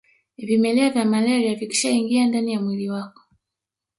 Vimelea vya malaria vikishaingia ndani ya mwili wako